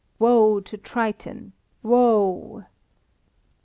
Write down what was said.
"Woe to Triton, woe!"